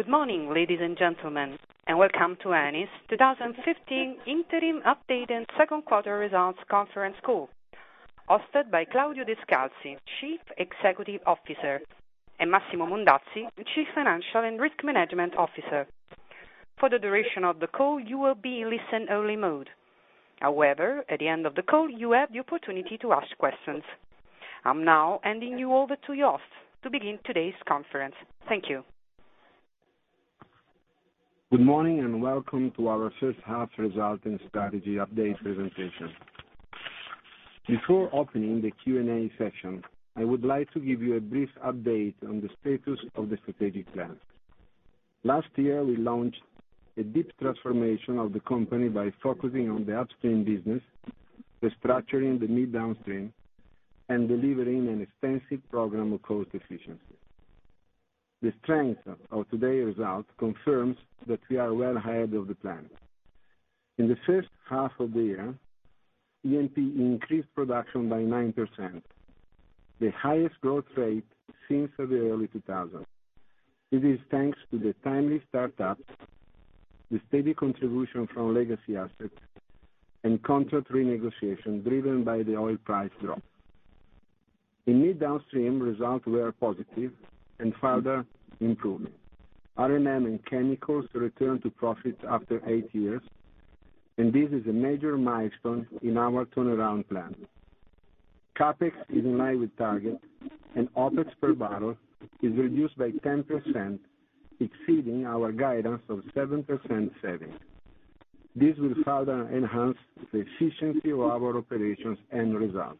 Good morning, ladies and gentlemen, welcome to Eni's 2015 interim update and second quarter results conference call, hosted by Claudio Descalzi, Chief Executive Officer, and Massimo Mondazzi, Chief Financial and Risk Management Officer. For the duration of the call, you will be in listen only mode. At the end of the call, you will have the opportunity to ask questions. I'm now handing you over to your hosts to begin today's conference. Thank you. Good morning, welcome to our first half result and strategy update presentation. Before opening the Q&A session, I would like to give you a brief update on the status of the strategic plan. Last year, we launched a deep transformation of the company by focusing on the upstream business, restructuring the mid downstream, and delivering an extensive program of cost efficiency. The strength of today's result confirms that we are well ahead of the plan. In the first half of the year, Eni increased production by 9%, the highest growth rate since the early 2000s. It is thanks to the timely startups, the steady contribution from legacy assets, and contract renegotiation driven by the oil price drop. In mid downstream, results were positive and further improving. R&M and chemicals return to profits after eight years, this is a major milestone in our turnaround plan. CapEx is in line with target, OpEx per barrel is reduced by 10%, exceeding our guidance of 7% savings. This will further enhance the efficiency of our operations end result.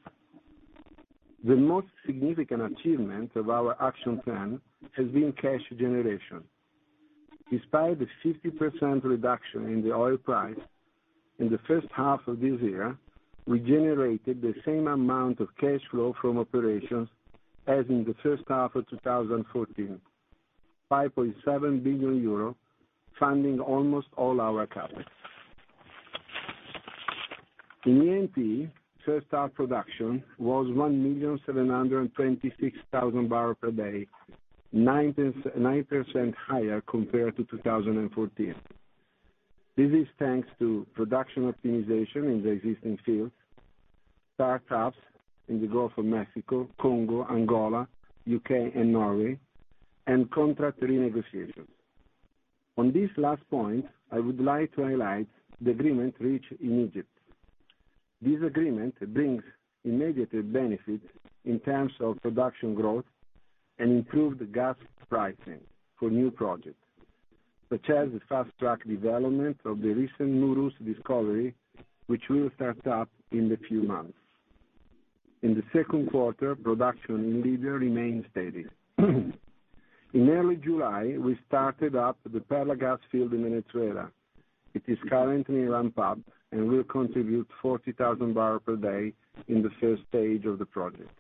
The most significant achievement of our action plan has been cash generation. Despite the 50% reduction in the oil price in the first half of this year, we generated the same amount of cash flow from operations as in the first half of 2014, 5.7 billion euro funding almost all our CapEx. In Eni, first half production was 1,726,000 barrels per day, 9% higher compared to 2014. This is thanks to production optimization in the existing fields, startups in the Gulf of Mexico, Congo, Angola, U.K., and Norway, and contract renegotiations. On this last point, I would like to highlight the agreement reached in Egypt. This agreement brings immediate benefits in terms of production growth and improved gas pricing for new projects, such as the fast-track development of the recent Nooros discovery, which will start up in the few months. In the second quarter, production indeed remained steady. In early July, we started up the Perla gas field in Venezuela. It is currently ramped up and will contribute 40,000 barrels per day in the first stage of the project.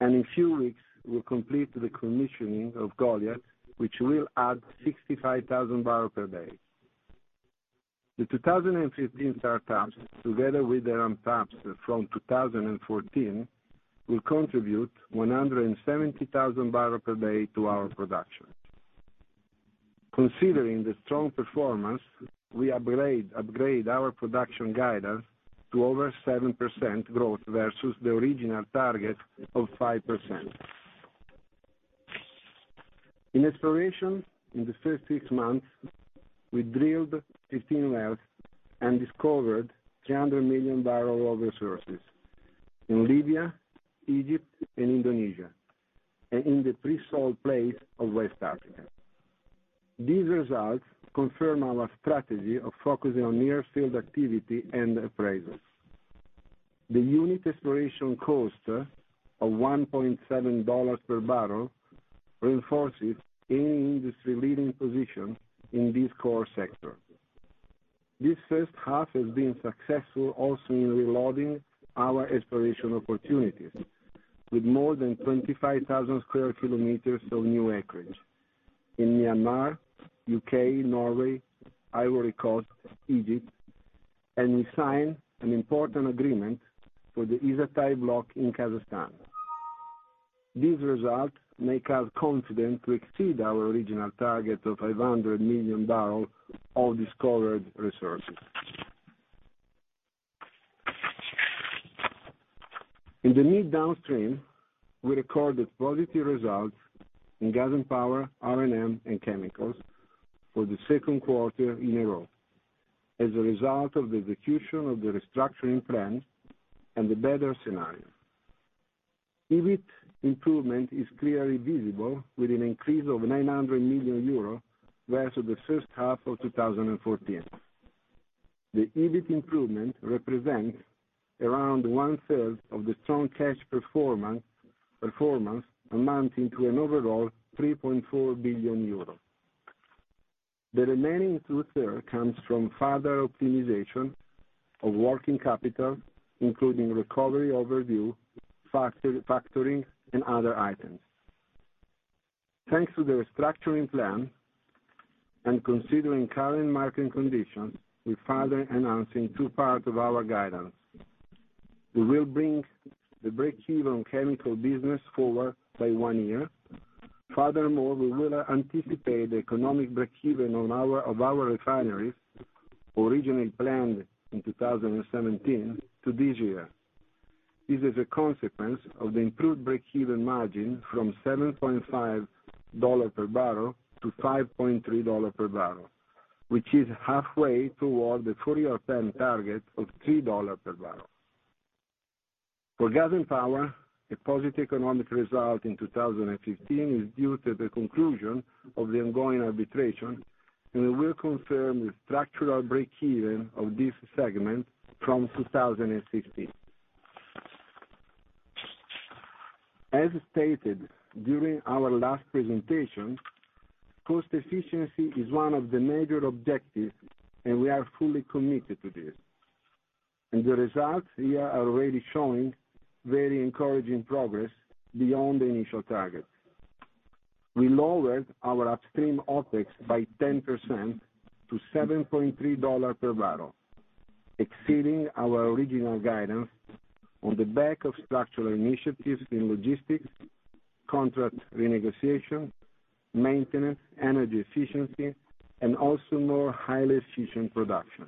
In few weeks, we'll complete the commissioning of Goliat, which will add 65,000 barrels per day. The 2015 startups, together with the ramp-ups from 2014, will contribute 170,000 barrels per day to our production. Considering the strong performance, we upgrade our production guidance to over 7% growth versus the original target of 5%. In exploration in the first six months, we drilled 15 wells and discovered 300 million barrel of resources in Libya, Egypt, and Indonesia, and in the pre-salt plays of West Africa. These results confirm our strategy of focusing on near-field activity and appraisals. The unit exploration cost of $1.70 per barrel reinforces Eni industry leading position in this core sector. This first half has been successful also in reloading our exploration opportunities with more than 25,000 square kilometers of new acreage in Myanmar, U.K., Norway, Ivory Coast, Egypt, and we signed an important agreement for the Isatay block in Kazakhstan. These results make us confident to exceed our original target of 500 million barrels of discovered resources. In the mid downstream, we recorded positive results in gas and power, R&M, and chemicals for the second quarter in a row as a result of the execution of the restructuring plan and the better scenario. EBIT improvement is clearly visible with an increase of 900 million euros versus the first half of 2014. The EBIT improvement represents around one third of the strong cash performance amounting to an overall 3.4 billion euros. The remaining two-third comes from further optimization of working capital, including recovery overview, factoring, and other items. Thanks to the restructuring plan and considering current market conditions, we're further enhancing two parts of our guidance. We will bring the breakeven chemical business forward by one year. Furthermore, we will anticipate the economic breakeven of our refineries, originally planned in 2017, to this year. This is a consequence of the improved breakeven margin from $7.5 per barrel to $5.3 per barrel, which is halfway toward the 2010 target of $3 per barrel. For gas and power, a positive economic result in 2015 is due to the conclusion of the ongoing arbitration, and we will confirm the structural breakeven of this segment from 2016. As stated during our last presentation, cost efficiency is one of the major objectives, and we are fully committed to this. The results here are already showing very encouraging progress beyond the initial targets. We lowered our upstream OpEx by 10% to $7.3 per barrel, exceeding our original guidance on the back of structural initiatives in logistics, contract renegotiation, maintenance, energy efficiency, and also more highly efficient production.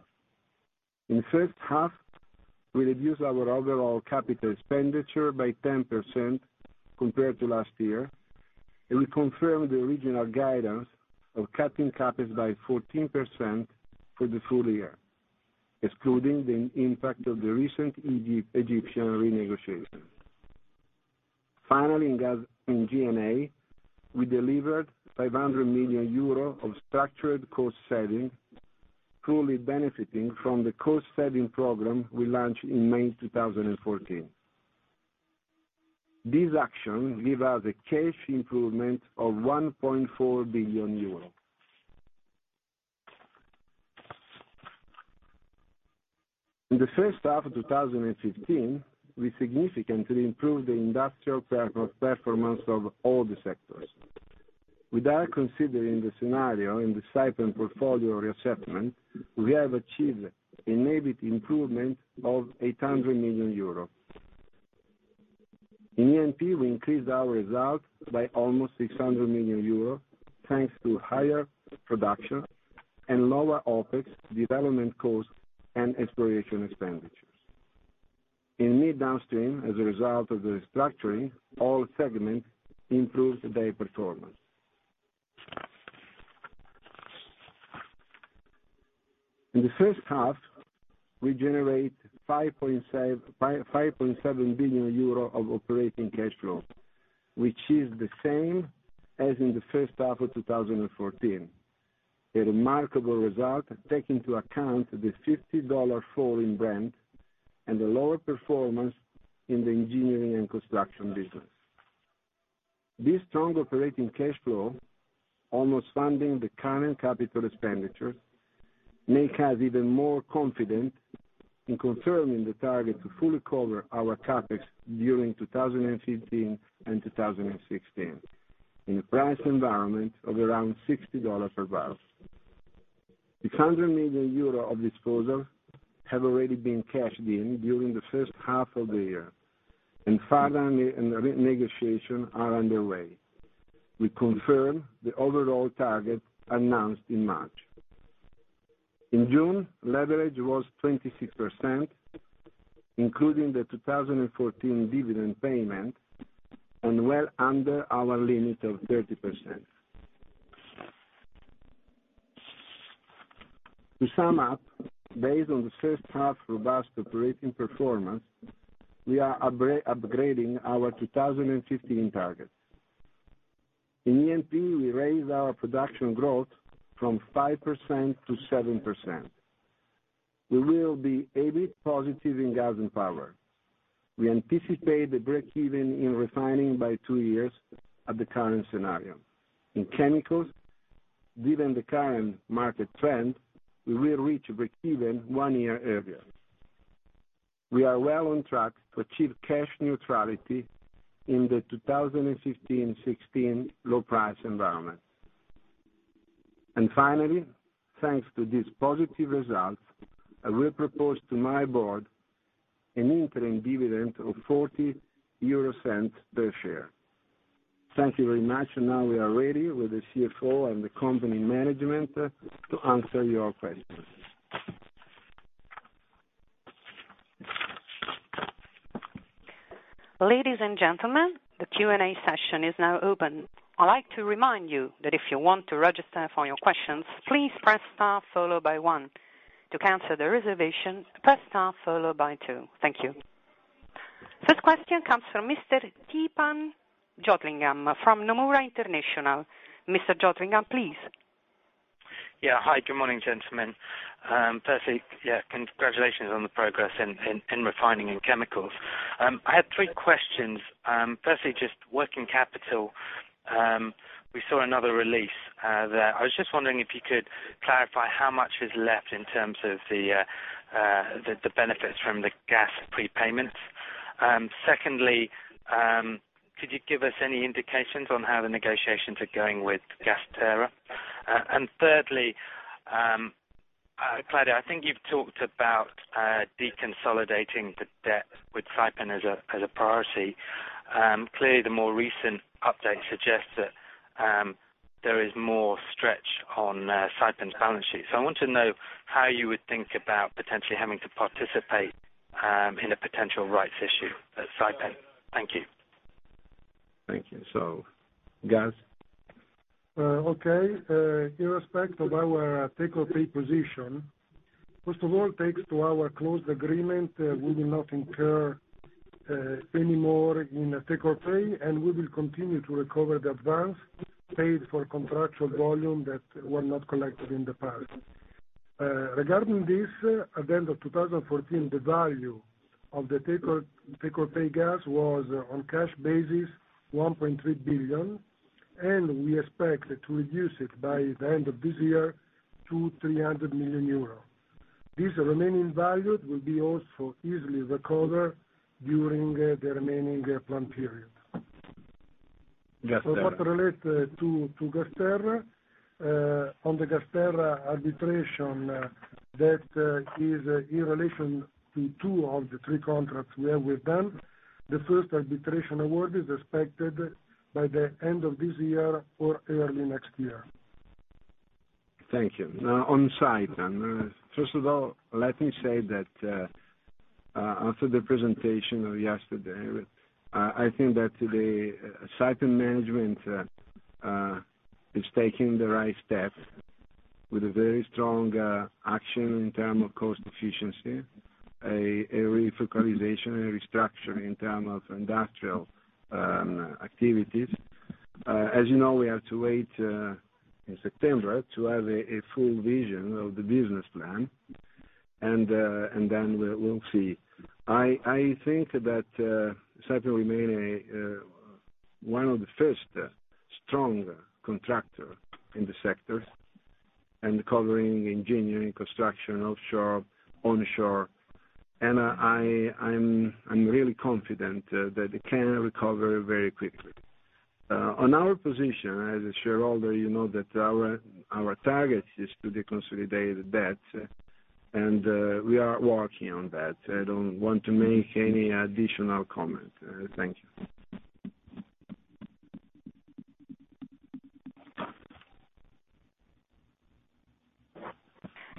In the first half, we reduced our overall capital expenditure by 10% compared to last year, and we confirm the original guidance of cutting CapEx by 14% for the full year, excluding the impact of the recent Egyptian renegotiation. In G&A, we delivered 500 million euro of structured cost saving, truly benefiting from the cost-saving program we launched in May 2014. These actions give us a cash improvement of 1.4 billion euros. In the first half of 2015, we significantly improved the industrial performance of all the sectors. Without considering the scenario in the Saipem portfolio reassessment, we have achieved an EBIT improvement of 800 million euros. In E&P, we increased our results by almost 600 million euros, thanks to higher production and lower OpEx development costs and exploration expenditures. In mid downstream, as a result of the restructuring, all segments improved their performance. In the first half, we generated 5.7 billion euro of operating cash flow, which is the same as in the first half of 2014, a remarkable result taking into account the $50 fall in Brent and the lower performance in the engineering and construction business. This strong operating cash flow, almost funding the current capital expenditure, makes us even more confident in confirming the target to fully cover our CapEx during 2015 and 2016 in a price environment of around $60 per barrel. 600 million euro of disposal have already been cashed in during the first half of the year, and further negotiations are underway. We confirm the overall target announced in March. In June, leverage was 26%, including the 2014 dividend payment and well under our limit of 30%. Based on the first half robust operating performance, we are upgrading our 2015 targets. In E&P, we raised our production growth from 5% to 7%. We will be EBIT positive in gas and power. We anticipate the breakeven in refining by two years at the current scenario. In chemicals, given the current market trend, we will reach breakeven one year earlier. We are well on track to achieve cash neutrality in the 2015-2016 low price environment. Finally, thanks to these positive results, I will propose to my board an interim dividend of 0.40 per share. Thank you very much. Now we are ready with the CFO and the company management to answer your questions. Ladies and gentlemen, the Q&A session is now open. I'd like to remind you that if you want to register for your questions, please press star followed by one. To cancel the reservation, press star followed by two. Thank you. First question comes from Mr. Theepan Jothilingam from Nomura International. Mr. Jothilingam, please. Hi, good morning, gentlemen. Firstly, congratulations on the progress in refining and chemicals. I had three questions. Firstly, just working capital. We saw another release there. I was just wondering if you could clarify how much is left in terms of the benefits from the gas prepayments. Secondly, could you give us any indications on how the negotiations are going with GasTerra? Thirdly, Claudio, I think you've talked about deconsolidating the debt with Saipem as a priority. Clearly, the more recent update suggests that there is more stretch on Saipem's balance sheet. I want to know how you would think about potentially having to participate in a potential rights issue at Saipem. Thank you. Thank you. Gaz? In respect of our take-or-pay position, first of all, thanks to our closed agreement, we will not incur any more in take-or-pay, and we will continue to recover the advance paid for contractual volume that were not collected in the past. Regarding this, at the end of 2014, the value of the take-or-pay gas was, on a cash basis, 1.3 billion, and we expect to reduce it by the end of this year to 300 million euros. This remaining value will be also easily recovered during the remaining plan period. GasTerra. For what relates to GasTerra, on the GasTerra arbitration, that is in relation to two of the three contracts we have with them. The first arbitration award is expected by the end of this year or early next year. Thank you. Now, on Saipem. First of all, let me say that after the presentation of yesterday, I think that today, Saipem management is taking the right steps with a very strong action in terms of cost efficiency, a refocalization, a restructure in term of industrial activities. As you know, we have to wait in September to have a full vision of the business plan. Then, we'll see. I think that Saipem remain one of the first strong contractor in the sector and covering engineering, construction, offshore, onshore. I'm really confident that it can recover very quickly. On our position as a shareholder, you know that our target is to deconsolidate the debt, and we are working on that. I don't want to make any additional comment. Thank you.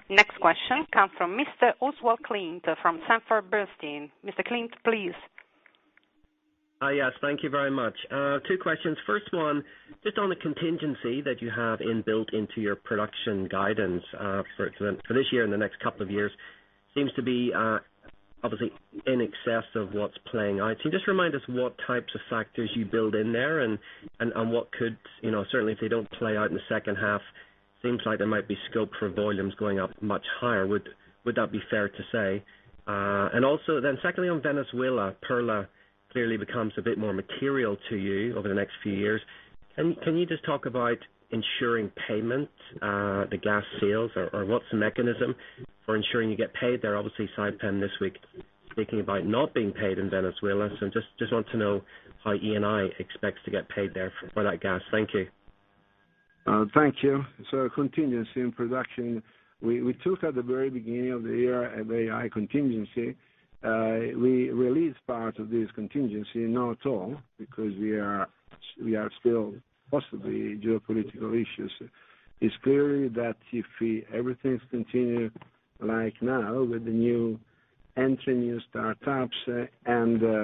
Next question comes from Mr. Oswald Clint from Sanford Bernstein. Mr. Clint, please. Yes, thank you very much. Two questions. First one, just on the contingency that you have inbuilt into your production guidance, for this year and the next couple of years, seems to be obviously in excess of what's playing out. Can you just remind us what types of factors you build in there and on what could, certainly if they don't play out in the second half, seems like there might be scope for volumes going up much higher. Would that be fair to say? Secondly, on Venezuela, Perla clearly becomes a bit more material to you over the next few years. Can you just talk about ensuring payment, the gas sales, or what's the mechanism for ensuring you get paid there? Obviously, Saipem this week speaking about not being paid in Venezuela. Just want to know how Eni expects to get paid there for that gas. Thank you. Thank you. Contingency in production. We took at the very beginning of the year a very high contingency. We released part of this contingency, not all, because we are still possibly geopolitical issues. It's clear that if everything continue like now with the new entry, new startups, and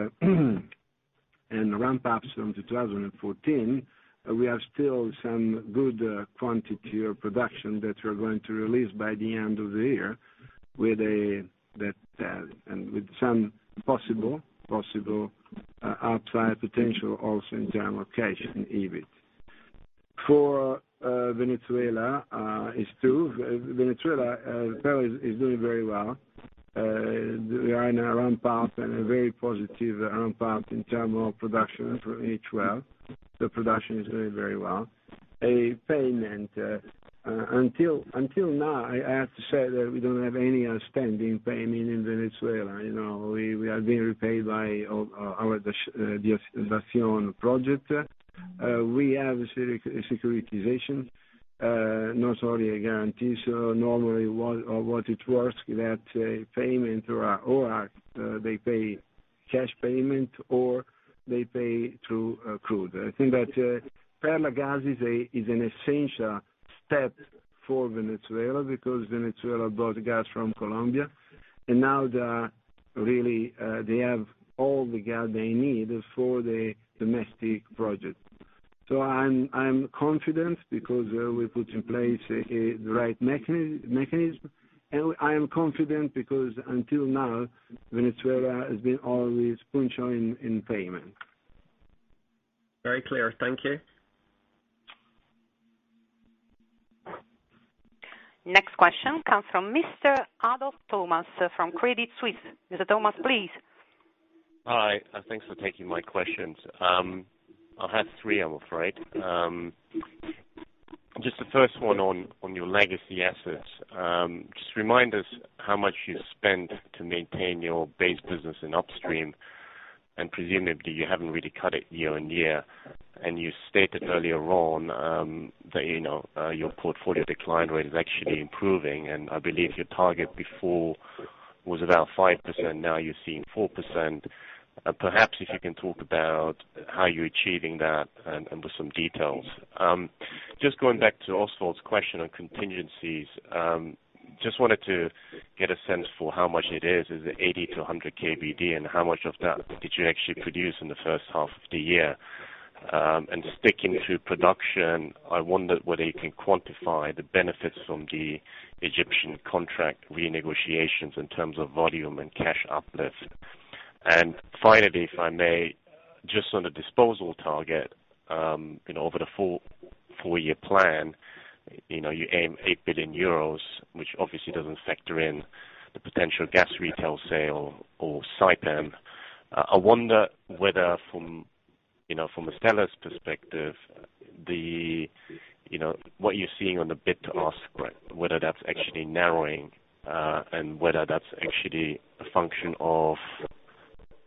ramp-ups from 2014, we have still some good quantity of production that we're going to release by the end of the year with some possible upside potential also in term of cash and EBIT. For Venezuela, Perla is doing very well. We are in a ramp path and a very positive ramp path in term of production for each well. The production is doing very well. A payment, until now, I have to say that we don't have any outstanding payment in Venezuela. We are being repaid by our Gas del Sur project. We have a securitization, not only a guarantee. Normally, what it works, that payment or they pay cash payment, or they pay through crude. I think that Perla Gas is an essential step for Venezuela because Venezuela bought gas from Colombia, and now they have all the gas they need for the domestic project. I am confident because we put in place the right mechanism, and I am confident because until now, Venezuela has been always punctual in payment. Very clear. Thank you. Next question comes from Mr. Thomas Adolff from Credit Suisse. Mr. Thomas, please. Hi. Thanks for taking my questions. I have three, I'm afraid. The first one on your legacy assets. Remind us how much you spent to maintain your base business in E&P. Presumably you haven't really cut it year-on-year, and you stated earlier on that your portfolio decline rate is actually improving, and I believe your target before was about 5%, now you're seeing 4%. Perhaps if you can talk about how you're achieving that and with some details. Going back to Oswald's question on contingencies. Wanted to get a sense for how much it is. Is it 80-100 KBD, and how much of that did you actually produce in the first half of the year? Sticking to production, I wonder whether you can quantify the benefits from the Egyptian contract renegotiations in terms of volume and cash uplift. Finally, if I may, on the disposal target, over the full four-year plan, you aim 8 billion euros, which obviously doesn't factor in the potential gas retail sale or Saipem. I wonder whether from a seller's perspective, what you're seeing on the bid to ask, whether that's actually narrowing, and whether that's actually a function of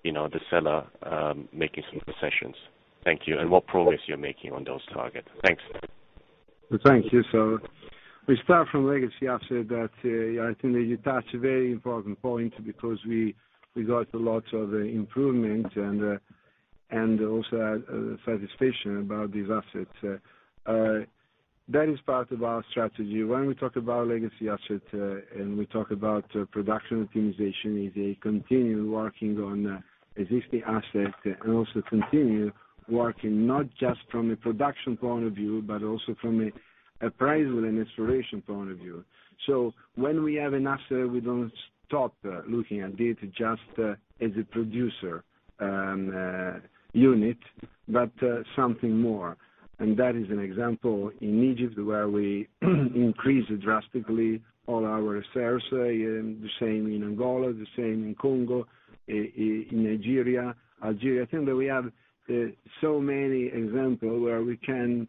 the seller making some concessions. Thank you. What progress you're making on those targets. Thanks. Thank you. We start from legacy asset that I think that you touch a very important point because we got a lot of improvement and also satisfaction about these assets. That is part of our strategy. When we talk about legacy asset, and we talk about production optimization, is a continue working on existing asset and also continue working not just from a production point of view, but also from an appraisal and exploration point of view. When we have an asset, we don't stop looking at it just as a producer unit, but something more. That is an example in Egypt where we increase drastically all our shares, the same in Angola, the same in Congo, in Nigeria, Algeria. I think that we have so many examples where we can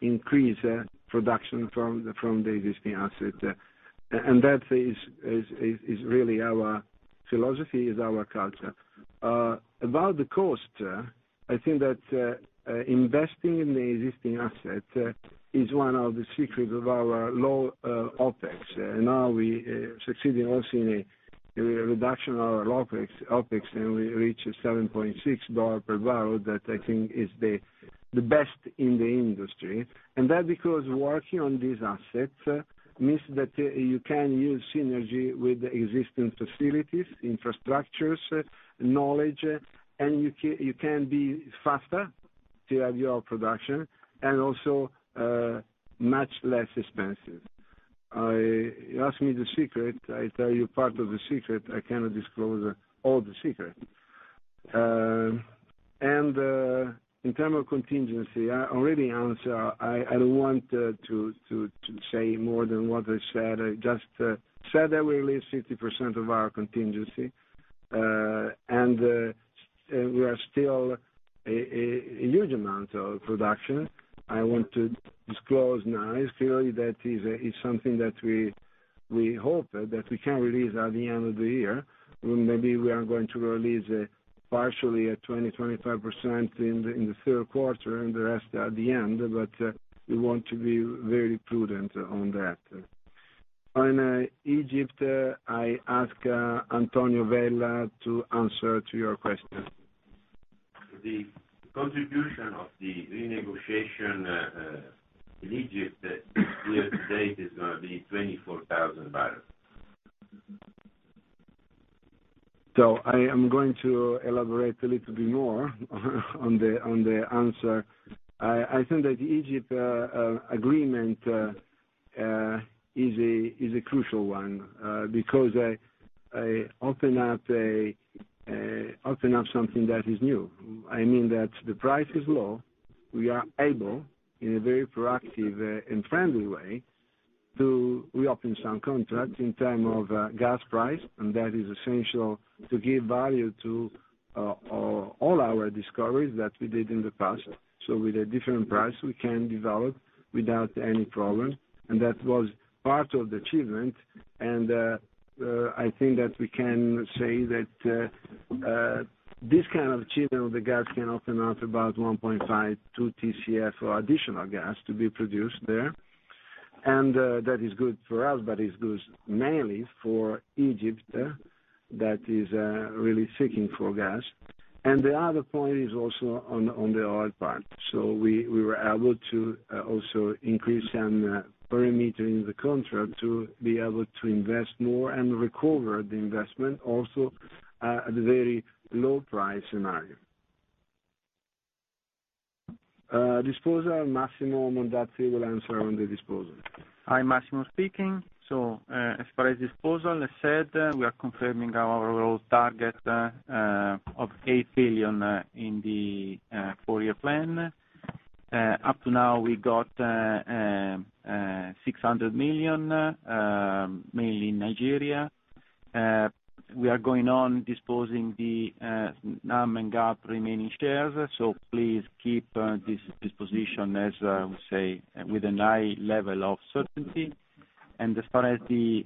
increase production from the existing asset. That is really our philosophy, is our culture. About the cost, I think that investing in the existing asset is one of the secrets of our low OpEx. We succeeding also in a reduction of our OpEx, and we reach $7.6 per barrel. That I think is the best in the industry. That because working on these assets means that you can use synergy with the existing facilities, infrastructures, knowledge, and you can be faster to have your production, and also much less expensive. You ask me the secret, I tell you part of the secret. I cannot disclose all the secrets. In term of contingency, I already answer. I don't want to say more than what I said. I said that we released 50% of our contingency, and we are still a huge amount of production. I want to disclose now, clearly that is something that we hope that we can release at the end of the year. Maybe we are going to release partially at 20%-25% in the third quarter and the rest at the end, but we want to be very prudent on that. On Egypt, I ask Antonio Vella to answer to your question. The contribution of the renegotiation in Egypt year-to-date is going to be 24,000 barrels. I am going to elaborate a little bit more on the answer. I think that the Egypt agreement is a crucial one, because open up something that is new. I mean that the price is low. We are able, in a very proactive and friendly way, to reopen some contracts in term of gas price, and that is essential to give value to all our discoveries that we did in the past. With a different price, we can develop without any problem, and that was part of the achievement, and I think that we can say that this kind of achievement of the gas can open up about 1.52 TCF for additional gas to be produced there. That is good for us, but it's good mainly for Egypt, that is really seeking for gas. The other point is also on the oil part. We were able to also increase some parameter in the contract to be able to invest more and recover the investment also at a very low price scenario. Disposal, Massimo Mondazzi will answer on the disposal. Hi, Massimo speaking. As far as disposal, as said, we are confirming our overall target of 8 billion in the four-year plan. Up to now, we got 600 million, mainly in Nigeria. We are going on disposing the NAM and Galp remaining shares, please keep this position, as I would say, with a high level of certainty. As far as the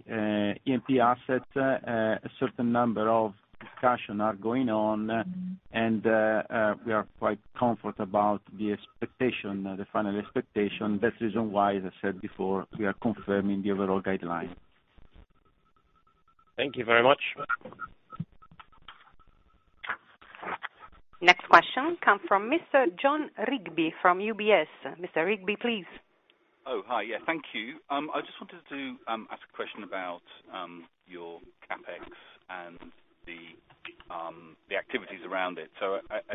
E&P assets, a certain number of discussions are going on, and we are quite comfortable about the final expectation. That is the reason why, as I said before, we are confirming the overall guidelines. Thank you very much. Next question comes from Mr. Jon Rigby from UBS. Mr. Rigby, please. Oh, hi. Yeah, thank you. I just wanted to ask a question about your CapEx and the activities around it.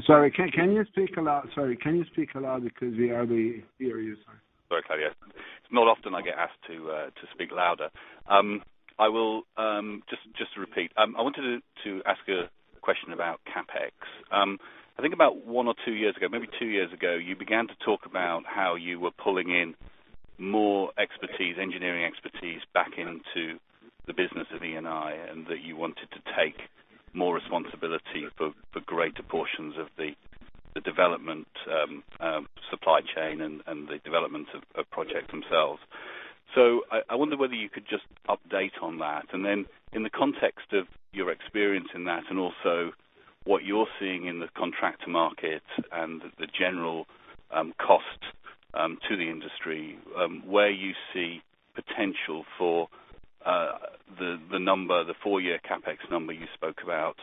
Sorry, can you speak aloud? Sorry, can you speak aloud because we are the hearing sorry. Sorry, Claudio. It's not often I get asked to speak louder. Just to repeat, I wanted to ask a question about CapEx. I think about one or two years ago, maybe two years ago, you began to talk about how you were pulling in more engineering expertise back into the business of Eni, and that you wanted to take more responsibility for greater portions of the development supply chain and the development of projects themselves. I wonder whether you could just update on that. In the context of your experience in that, and also what you're seeing in the contractor market and the general cost to the industry, where you see potential for the four-year CapEx number you spoke about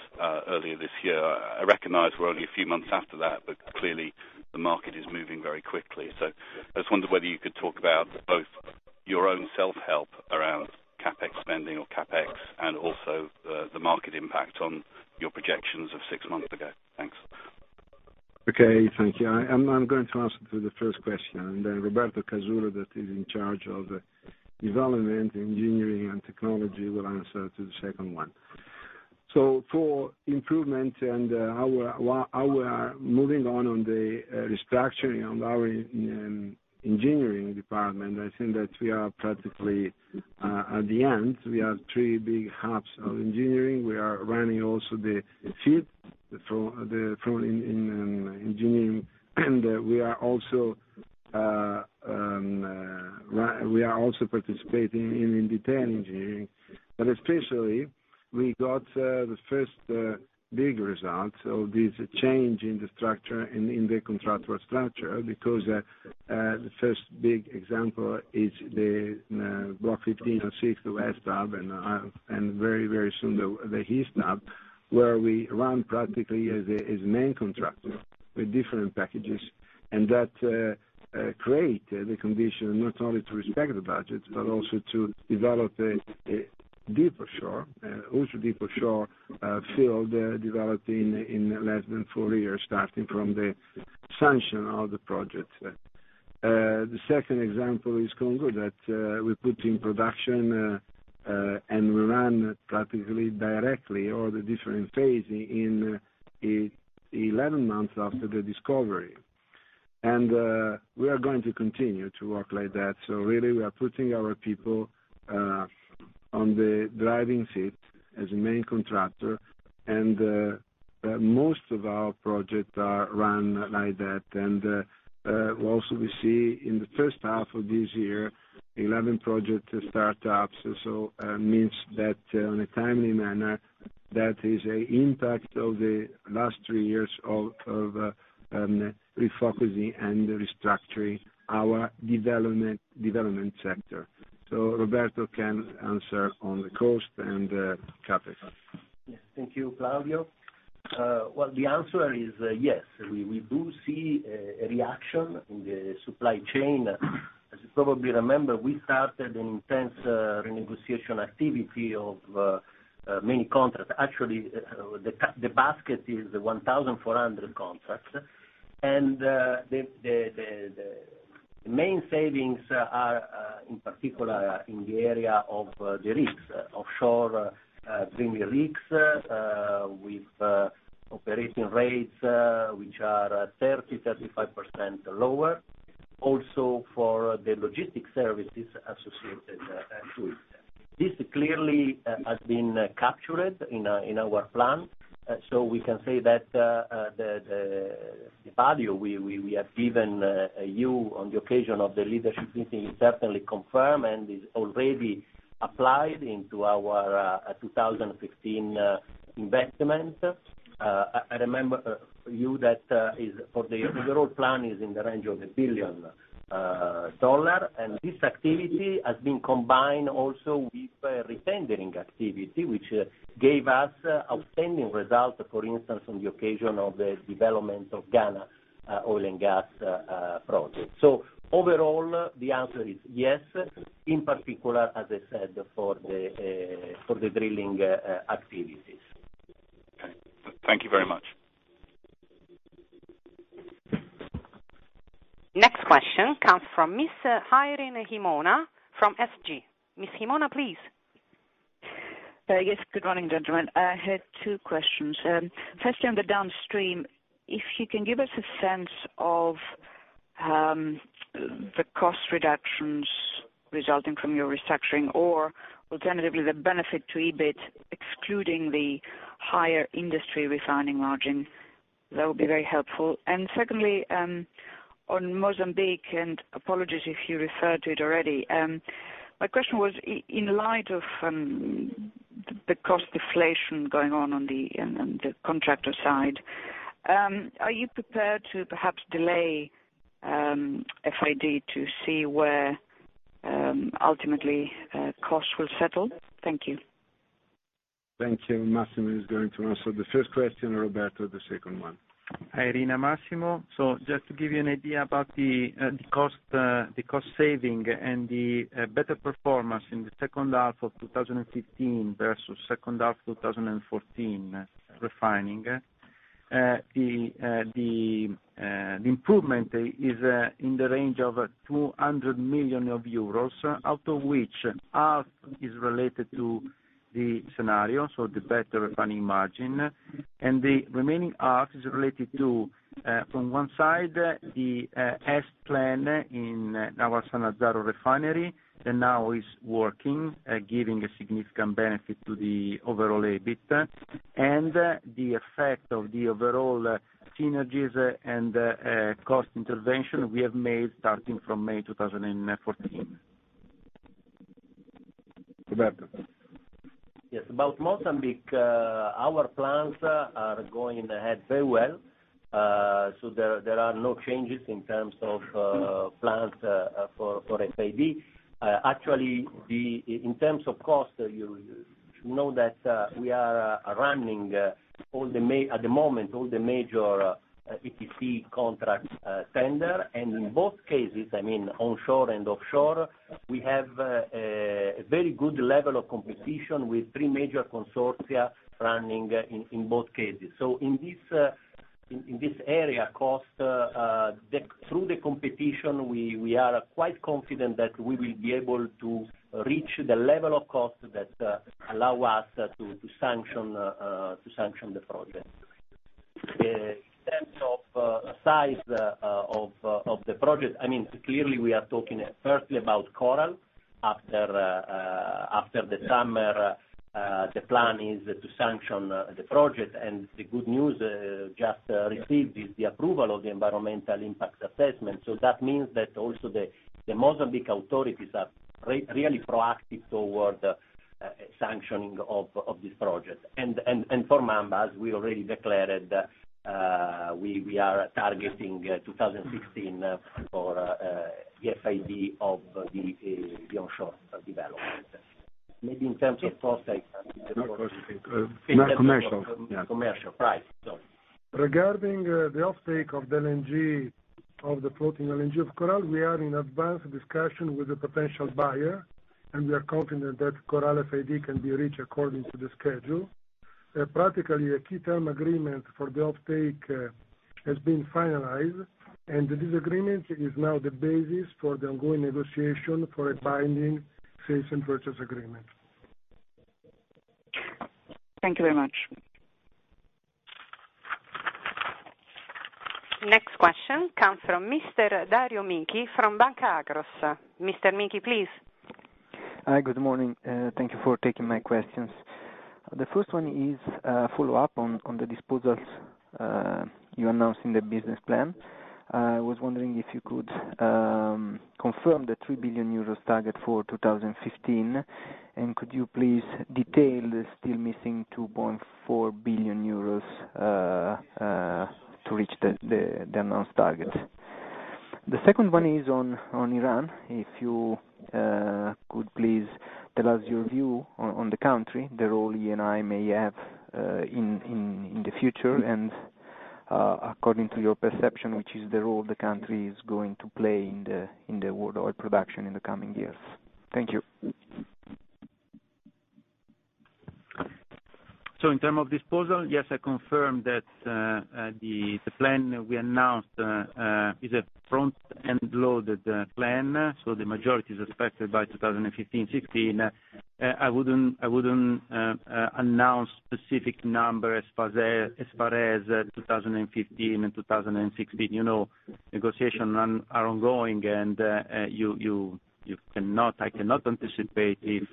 earlier this year. I recognize we're only a few months after that, clearly the market is moving very quickly. I just wonder whether you could talk about both your own self-help around CapEx spending or CapEx and also the market impact on your projections of six months ago. Thanks. Okay, thank you. I am going to answer the first question, then Roberto Casula, who is in charge of development, engineering, and technology, will answer the second one. For improvement and how we are moving on the restructuring on our engineering department, I think that we are practically at the end. We have three big hubs of engineering. We are running also the FEED for engineering, and we are also participating in detailed engineering. Especially, we got the first big result of this change in the contractual structure, because the first big example is the Block 1506, the West Hub, and very, very soon, the East Hub, where we run practically as the main contractor with different packages. That creates the condition not only to respect the budgets but also to develop a deep offshore, ultra-deep offshore field developed in less than four years, starting from the sanction of the project. The second example is Congo, that we put in production, and we ran practically directly all the different phases in 11 months after the discovery. We are going to continue to work like that. Really, we are putting our people in the driving seat as the main contractor, and most of our projects are run like that. Also we see in the first half of this year, 11 project startups. It means that in a timely manner, that is an impact of the last three years of refocusing and restructuring our development sector. Roberto can answer on the cost and CapEx. Yes. Thank you, Claudio. Well, the answer is yes. We do see a reaction in the supply chain. As you probably remember, we started an intense renegotiation activity of many contracts. Actually, the basket is 1,400 contracts, and the main savings are in particular in the area of the rigs, offshore drilling rigs, with operating rates which are 30%-35% lower. Also for the logistics services associated with. This clearly has been captured in our plan. We can say that the value we have given you on the occasion of the leadership meeting is definitely confirmed and is already applied into our 2015 investment. I remember for you that the overall plan is in the range of EUR 1 billion, and this activity has been combined also with re-tendering activity, which gave us outstanding results, for instance, on the occasion of the development of Ghana oil and gas project. Overall, the answer is yes, in particular, as I said, for the drilling activities. Okay. Thank you very much. Next question comes from Ms. Irene Himona from SG. Ms. Himona, please. Yes. Good morning, gentlemen. I had two questions. Firstly, on the downstream, if you can give us a sense of the cost reductions resulting from your restructuring, or alternatively, the benefit to EBIT excluding the higher industry refining margin? That would be very helpful. Secondly, on Mozambique, and apologies if you referred to it already. My question was, in light of the cost deflation going on the contractor side, are you prepared to perhaps delay FID to see where ultimately costs will settle? Thank you. Thank you. Massimo is going to answer the first question, Roberto, the second one. Hi, Irene, Massimo. Just to give you an idea about the cost saving and the better performance in the second half of 2015 versus second half 2014 refining. The improvement is in the range of 200 million euros, out of which half is related to the scenario, so the better refining margin. The remaining half is related to, from one side, the EST plan in our Sannazzaro refinery that now is working, giving a significant benefit to the overall EBIT. The effect of the overall synergies and cost intervention we have made starting from May 2014. Roberto. Yes. About Mozambique, our plans are going ahead very well. There are no changes in terms of plans for FID. Actually, in terms of cost, you should know that we are running, at the moment, all the major EPC contract tender, and in both cases, I mean, onshore and offshore, we have a very good level of competition with three major consortia running in both cases. In this area, cost, through the competition, we are quite confident that we will be able to reach the level of cost that allow us to sanction the project. In terms of size of the project, clearly we are talking firstly about Coral after the summer. The plan is to sanction the project, and the good news just received is the approval of the environmental impact assessment. That means that also the Mozambique authorities are really proactive toward sanctioning of this project. For Mamba, as we already declared, we are targeting 2016 for FID of the onshore development. Maybe in terms of offtake. Not offtake, commercial. Commercial, right. Sorry. Regarding the offtake of the LNG, of the floating LNG of Coral, we are in advanced discussion with a potential buyer, and we are confident that Coral FID can be reached according to the schedule. Practically, a key term agreement for the offtake has been finalized, and this agreement is now the basis for the ongoing negotiation for a binding sales and purchase agreement. Thank you very much. Next question comes from Mr. Dario Michi from Banca Akros. Mr. Michi, please. Hi, good morning. Thank you for taking my questions. The first one is a follow-up on the disposals you announced in the business plan. I was wondering if you could confirm the 3 billion euros target for 2015, and could you please detail the still missing 2.4 billion euros to reach the announced target? The second one is on Iran. If you could please tell us your view on the country, the role Eni may have in the future, and according to your perception, which is the role the country is going to play in the world oil production in the coming years? Thank you. In terms of disposal, yes, I confirm that the plan we announced is a front-end loaded plan. The majority is expected by 2015, 2016. I wouldn't announce specific numbers for there as far as 2015 and 2016. Negotiations are ongoing, and I cannot anticipate if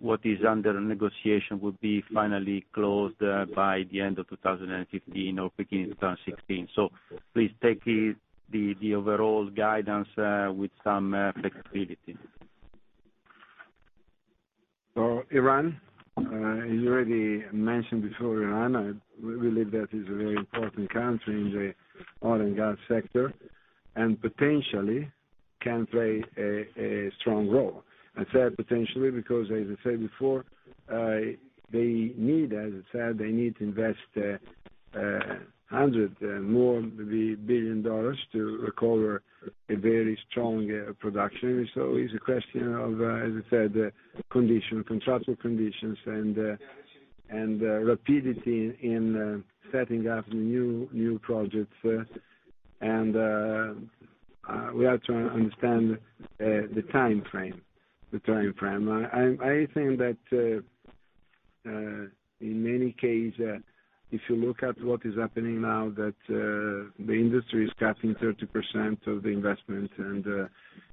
what is under negotiation will be finally closed by the end of 2015 or beginning of 2016. Please take the overall guidance with some flexibility. Iran, as you already mentioned before, Iran, we believe that is a very important country in the oil and gas sector, and potentially can play a strong role. I said potentially because as I said before, they need to invest 100 more billion to recover a very strong production. It's a question of, as I said, contractual conditions and rapidity in setting up new projects. We are trying to understand the time frame. I think that in any case, if you look at what is happening now, that the industry is cutting 30% of the investment,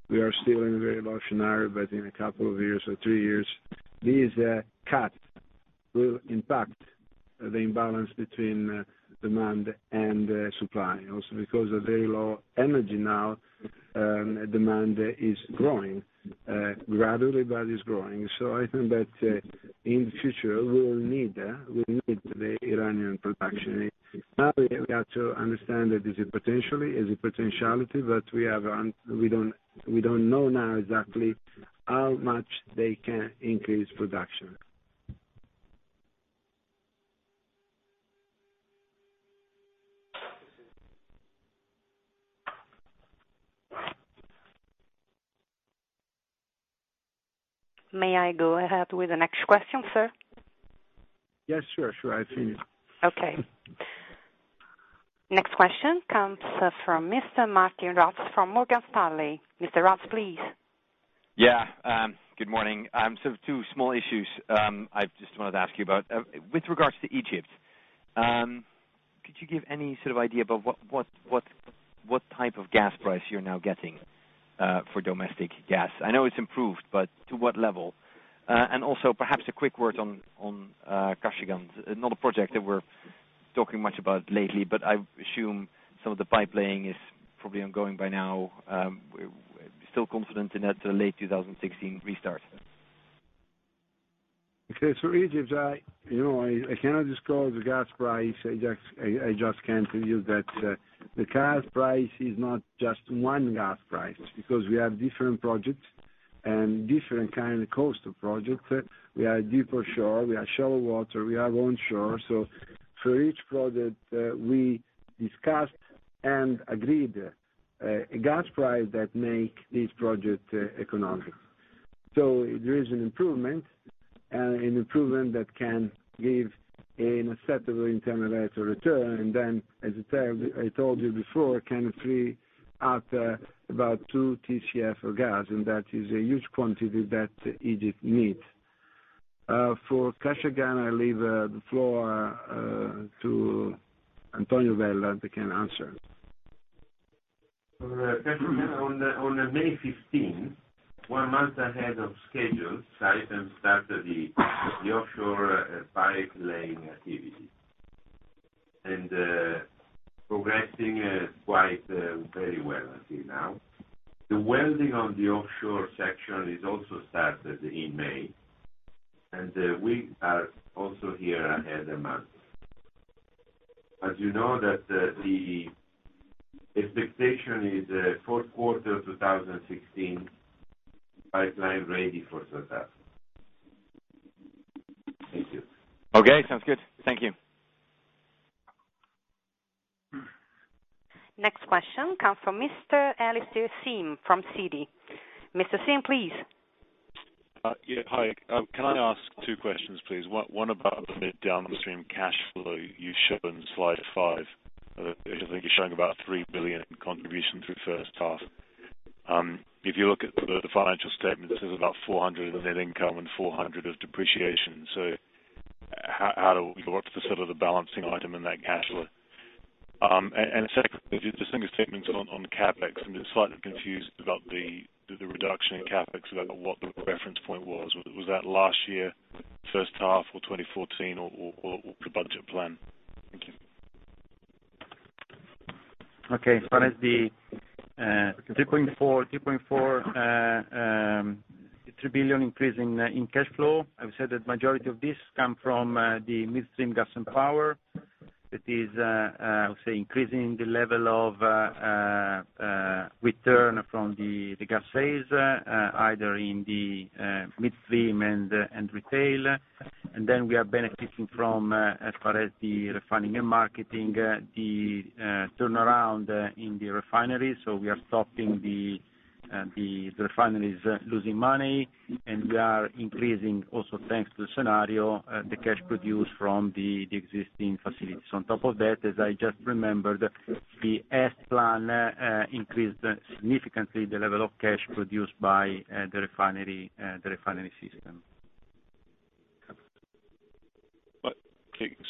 we are still in a very low scenario, but in a couple of years or three years These cuts will impact the imbalance between demand and supply, also because of very low energy now, demand is growing gradually, but it is growing. I think that in the future, we will need the Iranian production. Now we have got to understand that it is a potentiality, but we don't know now exactly how much they can increase production. May I go ahead with the next question, sir? Yes, sure. I see you. Okay. Next question comes from Mr. Martijn Rats from Morgan Stanley. Mr. Rats, please. Yeah. Good morning. Two small issues I just wanted to ask you about. With regards to Egypt, could you give any sort of idea about what type of gas price you're now getting for domestic gas? I know it's improved, but to what level? And also perhaps a quick word on Kashagan, not a project that we're talking much about lately, but I assume some of the pipelaying is probably ongoing by now. Still confident in that late 2016 restart? Okay. Egypt, I cannot disclose the gas price. I just can tell you that the gas price is not just one gas price because we have different projects and different kind of cost of projects. We have deeper shore, we have shallow water, we have onshore. For each project, we discussed and agreed a gas price that make this project economic. There is an improvement, an improvement that can give an acceptable internal rate of return, and then, as I told you before, can free up about 2 TCF of gas, and that is a huge quantity that Egypt needs. For Kashagan, I leave the floor to Antonio Vella that can answer. On May 15, one month ahead of schedule, Saipem started the offshore pipelaying activity. Progressing quite very well until now. The welding on the offshore section is also started in May, and we are also here ahead a month. As you know that the expectation is fourth quarter 2016, pipeline ready for startup. Thank you. Okay, sounds good. Thank you. Next question come from Mr. Alastair Syme from Citi. Mr. Syme, please. Yeah. Hi. Can I ask two questions, please? One about the mid/downstream cash flow you show on slide five. I think you're showing about 3 billion in contribution through the first half. If you look at the financial statements, there's about 400 million in net income and 400 million of depreciation. What's the balancing item in that cash flow? Secondly, just on the statements on CapEx, I'm just slightly confused about the reduction in CapEx, about what the reference point was. Was that last year, first half of 2014, or the budget plan? Thank you. Okay. As far as the 3.4 billion increase in cash flow, I would say that majority of this come from the midstream gas and power. That is, I would say, increasing the level of return from the gas sales, either in the midstream and retail. Then we are benefiting from, as far as the refining and marketing, the turnaround in the refinery. We are stopping the refineries losing money, and we are increasing also, thanks to the scenario, the cash produced from the existing facilities. On top of that, as I just remembered, the EST plan increased significantly the level of cash produced by the refinery system.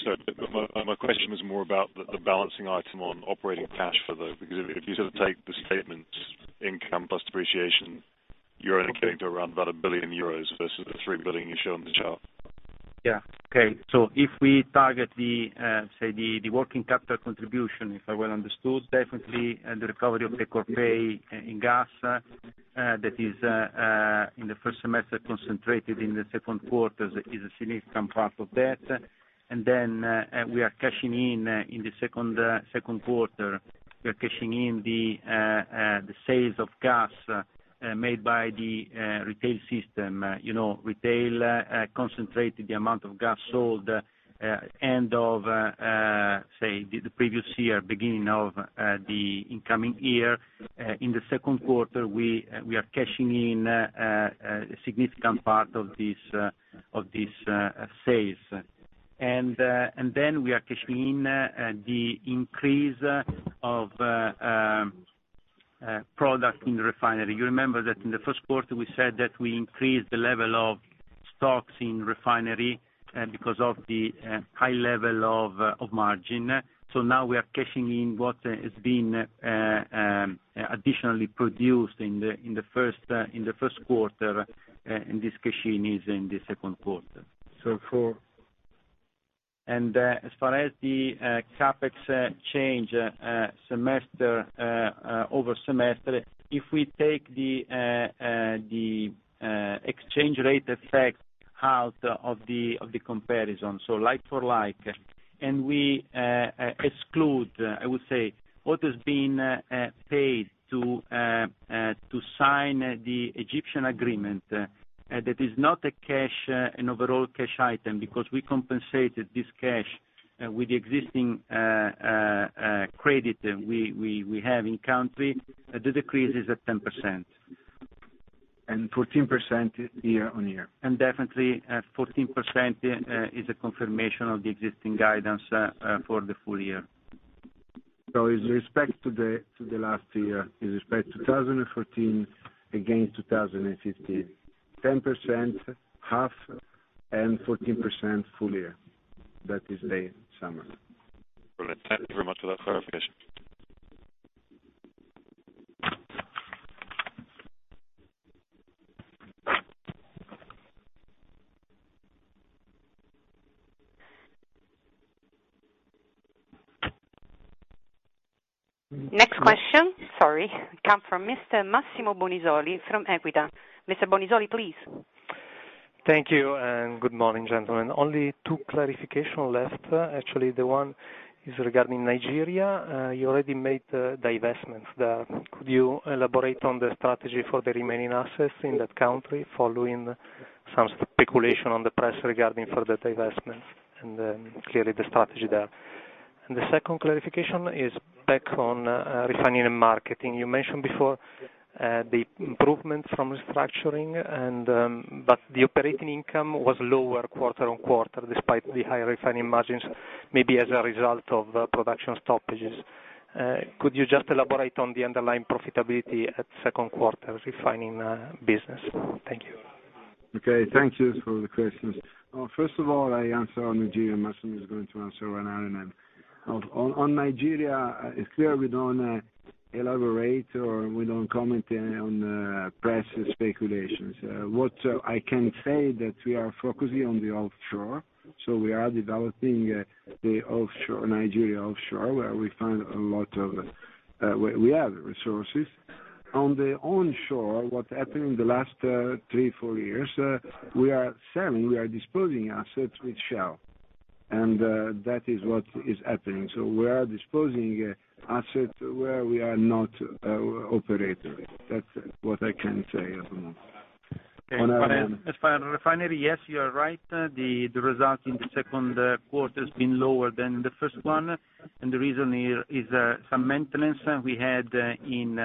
Sorry, my question was more about the balancing item on operating cash flow, though. If you take the statements, income plus depreciation, you're only getting to around about 1 billion euros versus the 3 billion you show on the chart. Yeah. Okay. If we target the working capital contribution, if I well understood, definitely the recovery of the take-or-pay in gas, that is in the first semester concentrated in the second quarter, is a significant part of that. Then we are cashing in in the second quarter, we are cashing in the sales of gas made by the retail system. Retail concentrated the amount of gas sold end of, say, the previous year, beginning of the incoming year. In the second quarter, we are cashing in a significant part of these sales. Then we are cashing in the increase of product in the refinery. You remember that in the first quarter, we said that we increased the level of stocks in refinery because of the high level of margin. Now we are cashing in what has been additionally produced in the first quarter, and this cashing is in the second quarter. As far as the CapEx change over semester, if we take the exchange rate effect out of the comparison, so like for like, and we exclude, I would say, what has been paid to sign the Egyptian agreement, that is not an overall cash item because we compensated this cash with the existing credit we have in country, the decrease is at 10%. 14% year-on-year. Definitely 14% is a confirmation of the existing guidance for the full year. With respect to the last year, with respect to 2014 against 2015, 10% half and 14% full year. That is the summary. All right. Thank you very much for that clarification. Next question, sorry, come from Mr. Massimo Bonisoli from Equita. Mr. Bonisoli, please. Thank you. Good morning, gentlemen. Only two clarification left. Actually, the one is regarding Nigeria. You already made divestments there. Could you elaborate on the strategy for the remaining assets in that country following some speculation on the press regarding further divestments? Then clearly the strategy there. The second clarification is back on refining and marketing. You mentioned before the improvement from restructuring, but the operating income was lower quarter-on-quarter, despite the higher refining margins, maybe as a result of production stoppages. Could you just elaborate on the underlying profitability at second quarter refining business? Thank you. Okay, thank you for the questions. First of all, I answer on Nigeria. Massimo is going to answer on R&M. On Nigeria, it's clear we don't elaborate or we don't comment on press speculations. What I can say, that we are focusing on the offshore. We are developing the Nigeria offshore, where we have resources. On the onshore, what happened in the last three, four years, we are selling, we are disposing assets with Shell, and that is what is happening. We are disposing assets where we are not operators. That's what I can say at the moment. As far as refinery, yes, you are right. The result in the second quarter has been lower than the first one. The reason here is some maintenance we had in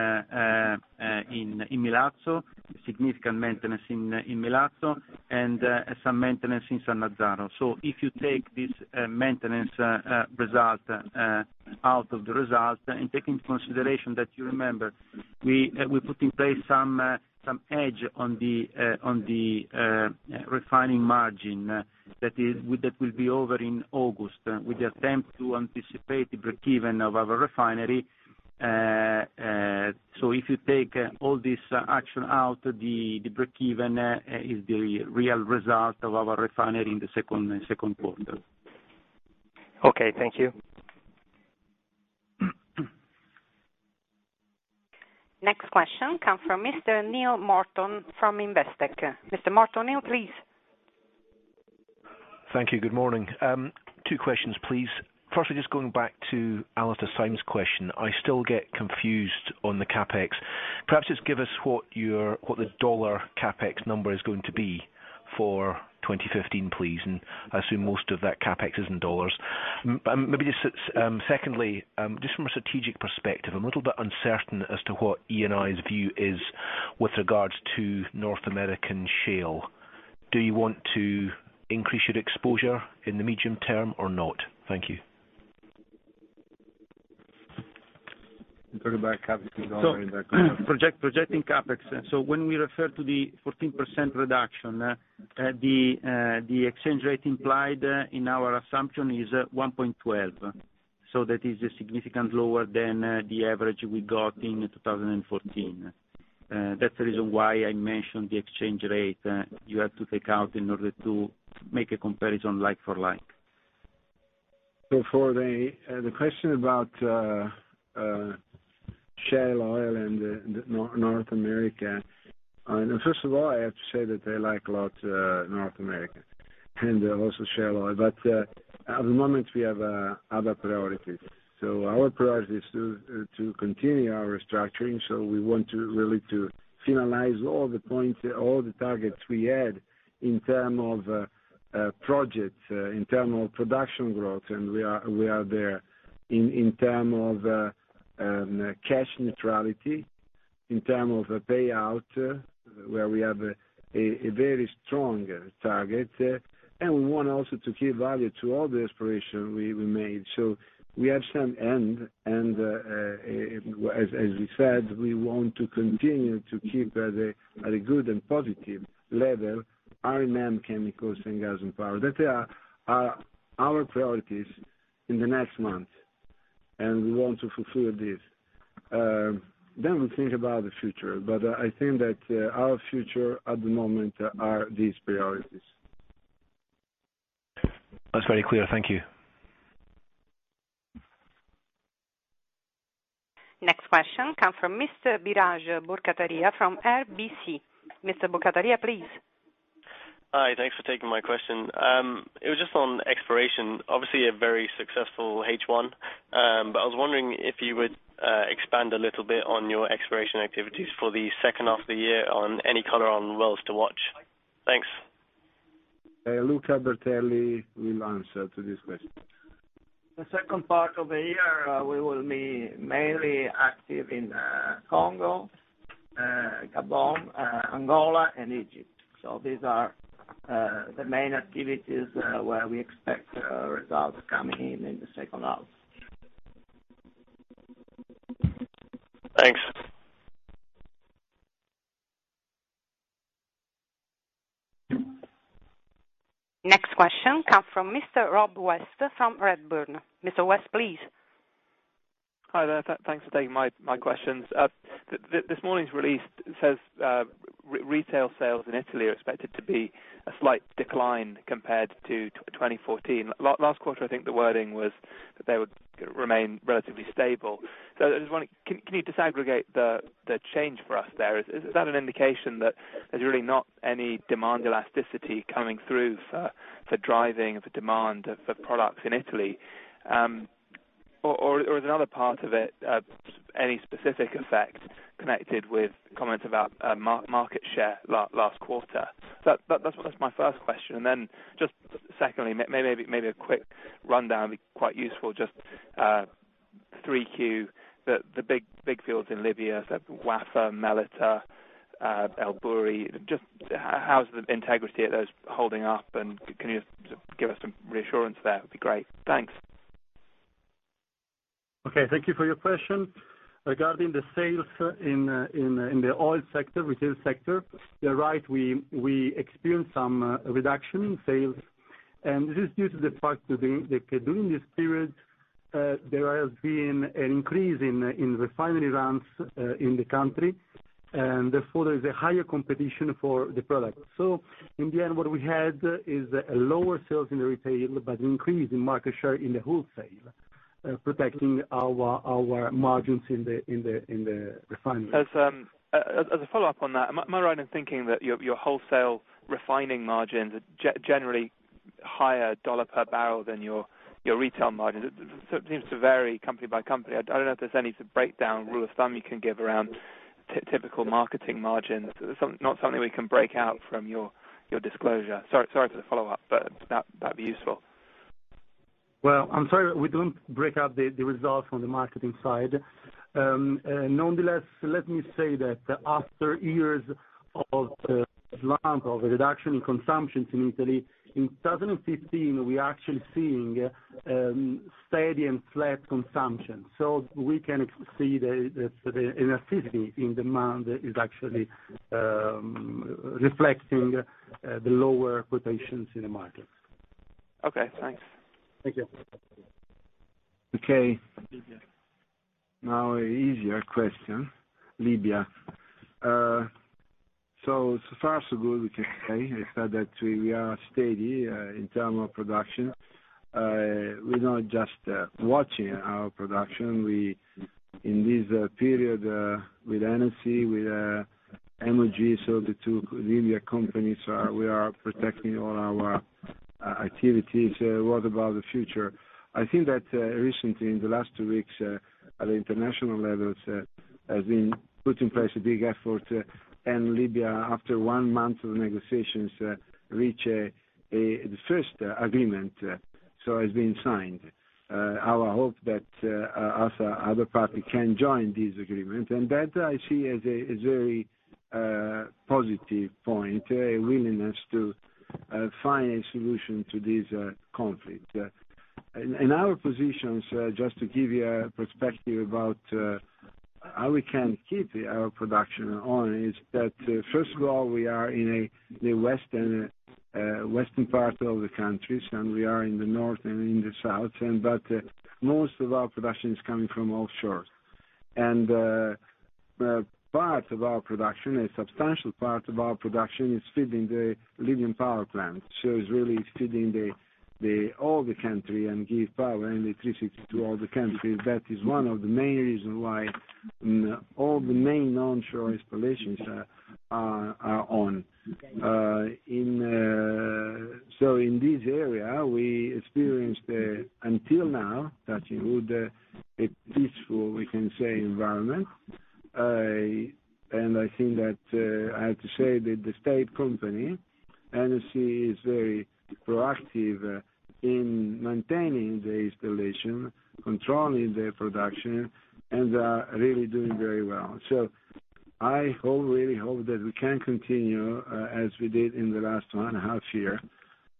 Milazzo, significant maintenance in Milazzo, and some maintenance in Sannazzaro. If you take this maintenance result out of the result and take into consideration that you remember, we put in place some edge on the refining margin that will be over in August with the attempt to anticipate the break-even of our refinery. If you take all this action out, the break-even is the real result of our refinery in the second quarter. Okay, thank you. Next question come from Mr. Neil Morton from Investec. Mr. Morton, Neil, please. Thank you. Good morning. Two questions, please. Firstly, just going back to Alastair Syme's question. I still get confused on the CapEx. Perhaps just give us what the dollar CapEx number is going to be for 2015, please. I assume most of that CapEx is in dollars. Maybe just secondly, just from a strategic perspective, I'm a little bit uncertain as to what Eni's view is with regards to North American shale. Do you want to increase your exposure in the medium term or not? Thank you. You talk about CapEx. Projecting CapEx. When we refer to the 14% reduction, the exchange rate implied in our assumption is 1.12. That is significantly lower than the average we got in 2014. That's the reason why I mentioned the exchange rate you have to take out in order to make a comparison like for like. For the question about shale oil and North America. First of all, I have to say that I like a lot North America and also shale oil. At the moment, we have other priorities. Our priority is to continue our restructuring. We want to really to finalize all the points, all the targets we had in terms of projects, in terms of production growth, and we are there. In terms of cash neutrality, in terms of payout, where we have a very strong target. We want also to give value to all the aspiration we made. We have some end, and as we said, we want to continue to keep at a good and positive level R&M, chemicals, and gas and power. That are our priorities in the next months. We want to fulfill this. We'll think about the future. I think that our future at the moment are these priorities. That's very clear. Thank you. Next question come from Mr. Biraj Borkhataria from RBC. Mr. Borkhataria, please. Hi, thanks for taking my question. It was just on exploration, obviously a very successful H1. I was wondering if you would expand a little bit on your exploration activities for the second half of the year on any color on wells to watch. Thanks. Luca Bertelli will answer to this question. The second part of the year, we will be mainly active in Congo, Gabon, Angola, and Egypt. These are the main activities where we expect results coming in the second half. Thanks. Next question come from Mr. Rob West from Redburn. Mr. West, please. Hi there. Thanks for taking my questions. This morning's release says, retail sales in Italy are expected to be a slight decline compared to 2014. Last quarter, I think the wording was that they would remain relatively stable. I just wonder, can you disaggregate the change for us there? Is that an indication that there's really not any demand elasticity coming through for driving the demand for products in Italy? Or is another part of it, any specific effect connected with comments about market share last quarter? That was my first question. Just secondly, maybe a quick rundown would be quite useful, just 3Q, the big fields in Libya, so Wafa, Mellitah, El Bouri, just how's the integrity of those holding up? Can you just give us some reassurance there? It'd be great. Thanks. Okay. Thank you for your question. Regarding the sales in the oil sector, retail sector, you're right, we experienced some reduction in sales, this is due to the fact that during this period, there has been an increase in refinery runs in the country, therefore, there's a higher competition for the product. In the end, what we had is a lower sales in the retail, but increase in market share in the wholesale, protecting our margins in the refinery. As a follow-up on that, am I right in thinking that your wholesale refining margins are generally higher dollar per barrel than your retail margins? It seems to vary company by company. I don't know if there's any breakdown, rule of thumb you can give around typical marketing margins. Not something we can break out from your disclosure. Sorry for the follow-up, but that'd be useful. Well, I'm sorry that we don't break out the results from the marketing side. Nonetheless, let me say that after years of slump, of reduction in consumptions in Italy, in 2015, we are actually seeing steady and flat consumption. We can see the elasticity in demand is actually reflecting the lower quotations in the market. Okay, thanks. Thank you. Okay. Now an easier question. Libya. So far so good, we can say. I said that we are steady in terms of production. We're not just watching our production. In this period, with NOC, with MOG, so the two Libya companies, we are protecting all our activities. What about the future? I think that recently, in the last two weeks, at the international levels, has been put in place a big effort. Libya, after one month of negotiations, reached the first agreement, so has been signed. Our hope that other party can join this agreement, that I see as a very positive point, a willingness to find a solution to this conflict. In our positions, just to give you a perspective about how we can keep our production on is that, first of all, we are in the western part of the countries, and we are in the north and in the south, but most of our production is coming from offshore. Part of our production, a substantial part of our production, is feeding the Libyan power plant. It's really feeding all the country and give power and electricity to all the country. That is one of the main reason why all the main onshore installations are on. In this area, we experienced, until now, touch wood, a peaceful, we can say, environment. I think that I have to say that the state company, NOC, is very proactive in maintaining the installation, controlling the production, and are really doing very well. I really hope that we can continue, as we did in the last one and a half year,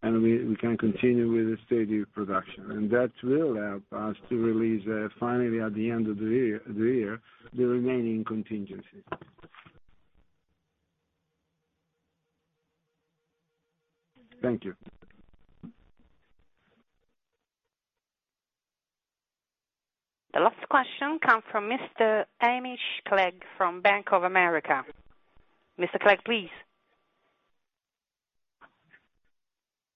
and we can continue with the steady production. That will help us to release, finally, at the end of the year, the remaining contingency. Thank you. The last question comes from Mr. Hamish Clegg from Bank of America. Mr. Clegg, please.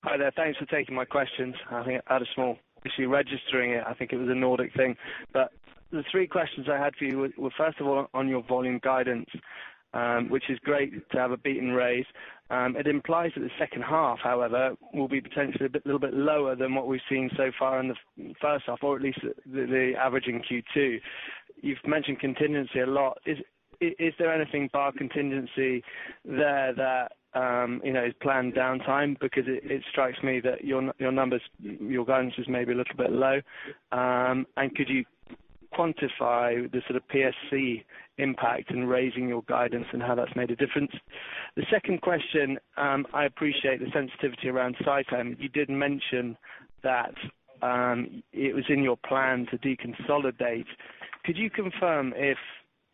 Hi there. Thanks for taking my questions. I think I had a small issue registering it. I think it was a Nordic thing. The three questions I had for you were, first of all, on your volume guidance, which is great to have a beat and raise. It implies that the second half, however, will be potentially a little bit lower than what we've seen so far in the first half, or at least the average in Q2. You've mentioned contingency a lot. Is there anything bar contingency there that is planned downtime? It strikes me that your guidance is maybe a little bit low. Could you quantify the sort of PSC impact in raising your guidance and how that's made a difference? The second question, I appreciate the sensitivity around Saipem. You did mention that it was in your plan to deconsolidate. Could you confirm if,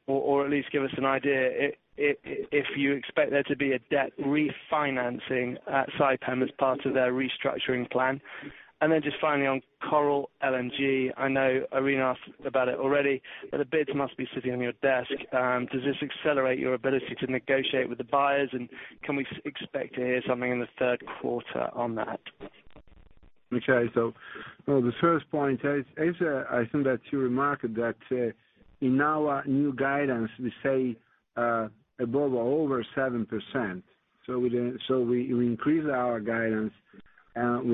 or at least give us an idea, if you expect there to be a debt refinancing at Saipem as part of their restructuring plan? Just finally on Coral LNG, I know Irene asked about it already. The bids must be sitting on your desk. Does this accelerate your ability to negotiate with the buyers, and can we expect to hear something in the third quarter on that? The first point, as I think that you remarked, that in our new guidance, we say above or over 7%. We increase our guidance, we don't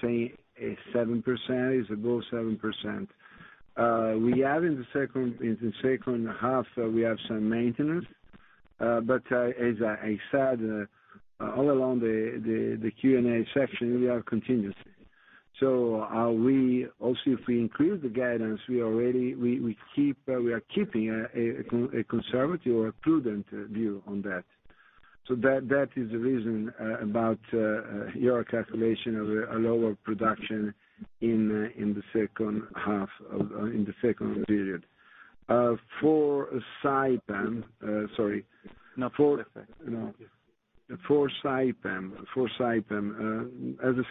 say 7%, it's above 7%. We have in the second half, we have some maintenance. As I said, all along the Q&A section, we are continuously. If we increase the guidance, we are keeping a conservative or a prudent view on that. That is the reason about your calculation of a lower production in the second half, in the second period. For Saipem, as I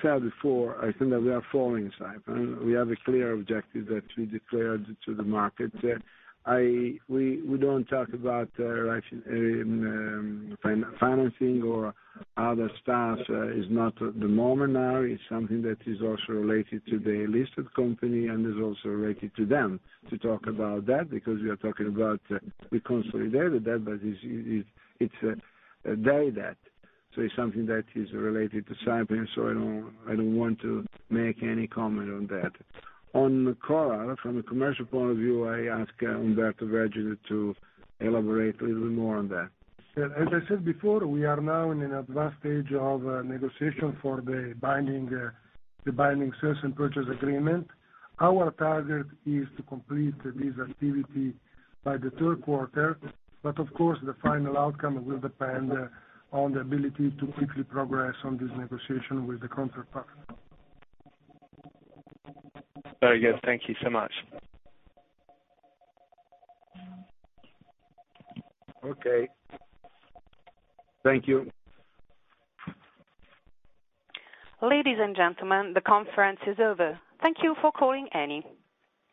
said before, I think that we are following Saipem. We have a clear objective that we declared to the market. We don't talk about financing or other stuff. It's not the moment now. It's something that is also related to the listed company is also related to them to talk about that. We are talking about, we consolidated that, it's their debt. It's something that is related to Saipem. I don't want to make any comment on that. On Coral, from a commercial point of view, I ask Umberto Vergine to elaborate a little more on that. As I said before, we are now in an advanced stage of negotiation for the binding sales and purchase agreement. Our target is to complete this activity by the 3rd quarter, of course, the final outcome will depend on the ability to quickly progress on this negotiation with the counterparty. Very good. Thank you so much. Okay. Thank you. Ladies and gentlemen, the conference is over. Thank you for calling Eni.